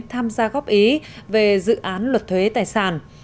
tham gia góp ý về dự án luật thuế tài sản